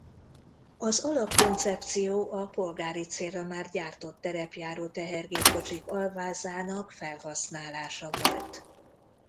Az alapkoncepció a polgári célra már gyártott terepjáró tehergépkocsik alvázának felhasználása volt.